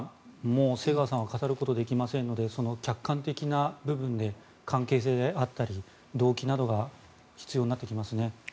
もう瀬川さんは語ることができませんので客観的な部分で関係性であったり動機などが必要になってきますね。